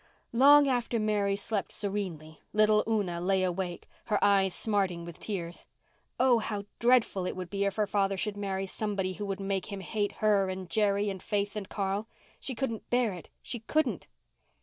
Long after Mary slept serenely little Una lay awake, her eyes smarting with tears. On, how dreadful it would be if her father should marry somebody who would make him hate her and Jerry and Faith and Carl! She couldn't bear it—she couldn't!